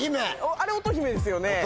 あれ音姫ですよね